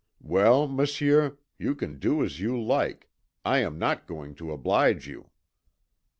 Well, Monsieur, you can do as you like I am not going to oblige you."